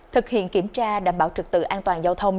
thực hiện kiểm tra đảm bảo trực tự an toàn giao thông